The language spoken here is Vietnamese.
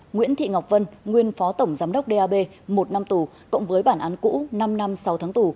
nguyễn thị ngọc vân nguyên phó tổng giám đốc dap một năm tù cộng với bản án cũ năm năm sáu tháng tù